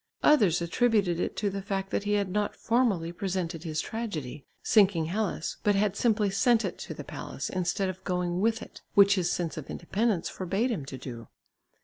Others attributed it to the fact that he had not formally presented his tragedy, Sinking Hellas, but had simply sent it to the palace, instead of going with it, which his sense of independence forbade him to do.